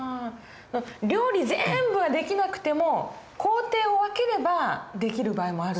料理全部はできなくても工程を分ければできる場合もある。